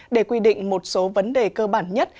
để quy định một số vấn đề cơ bản nhất